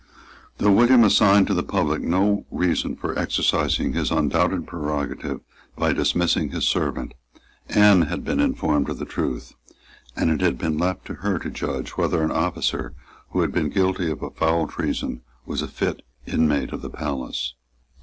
Though William assigned to the public no reason for exercising his undoubted prerogative by dismissing his servant, Anne had been informed of the truth; and it had been left to her to judge whether an officer who had been guilty of a foul treason was a fit inmate of the palace.